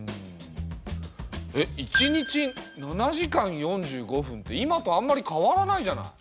えっ一日７時間４５分って今とあんまり変わらないじゃない。